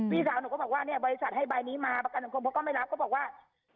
พี่สาวหนูก็บอกว่าเนี่ยบริษัทให้ใบนี้มาประกันสังคมเขาก็ไม่รับก็บอกว่า